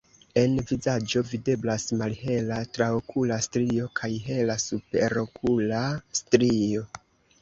En vizaĝo videblas malhela traokula strio kaj hela superokula strio.